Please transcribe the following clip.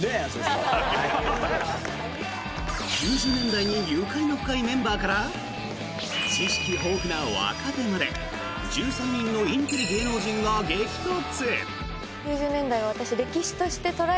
９０年代にゆかりの深いメンバーから知識豊富な若手まで１３人のインテリ芸能人が激突！